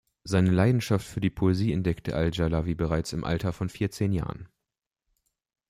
Seine Leidenschaft für die Poesie entdeckte al-Dschalawi bereits im Alter von vierzehn Jahren.